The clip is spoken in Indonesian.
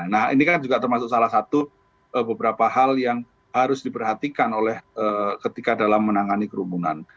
nah ini kan juga termasuk salah satu beberapa hal yang harus diperhatikan oleh ketika dalam menangani kerumunan